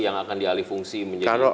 yang akan dialih fungsi menjadi